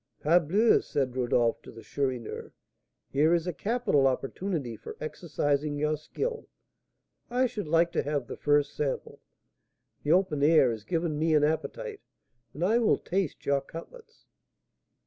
"Parbleu!" said Rodolph to the Chourineur; "here is a capital opportunity for exercising your skill. I should like to have the first sample, the open air has given me an appetite, and I will taste your cutlets."